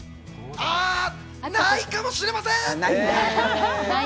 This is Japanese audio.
ないかもしれません。